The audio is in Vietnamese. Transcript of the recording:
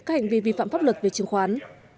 các hành vi vi phạm pháp luật về chứng khoán